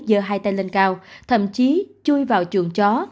dơ hai tay lên cao thậm chí chui vào trường chó